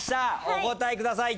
お答えください。